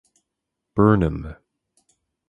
Burnham.